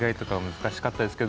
難しかったですか？